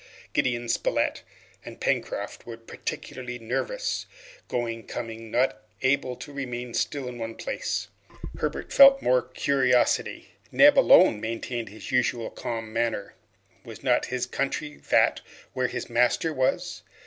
Gideon Spilett and Pencroft were particularly nervous, going, coming, not able to remain still in one place. Herbert felt more curiosity. Neb alone maintained his usual calm manner. Was not his country that where his master was?